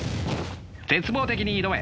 絶望的に挑め！